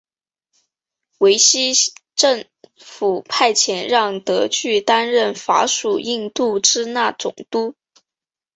维希政府派遣让德句担任法属印度支那总督。